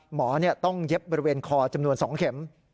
หมอต้องเย็บบริเวณคอจำนวน๒เข็ม